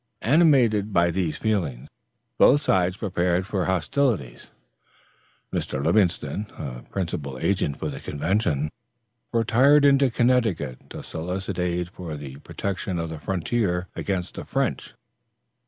Animated by these feelings both sides prepared for hostilities. Mr. Livingston, a principal agent for the convention, retired into Connecticut to solicit aid for the protection of the frontier against the French.